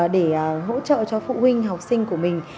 để hỗ trợ cho phụ huynh học sinh của mình